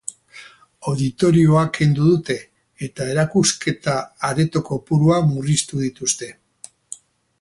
Auditorioa kendu dute eta erakusketa areto kopurua murriztu dituzte.